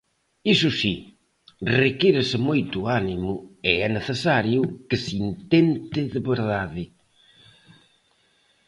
Iso si, requírese moito ánimo e é necesario que se intente de verdade.